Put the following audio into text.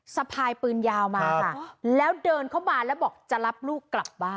สะพายปืนยาวมาค่ะแล้วเดินเข้ามาแล้วบอกจะรับลูกกลับบ้าน